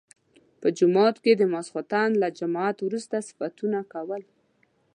په جومات کې د ماخستن له جماعت وروسته صفتونه کول.